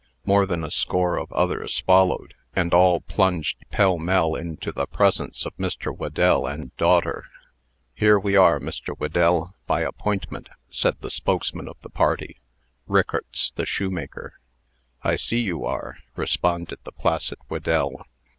More than a score of others followed, and all plunged pell mell into the presence of Mr. Whedell and daughter. "Here we are, Mr. Whedell, by appintment," said the spokesman of the party, Rickarts, the shoemaker. "I see you are," responded the placid Whedell.